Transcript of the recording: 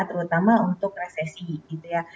terutama untuk resesi gitu ya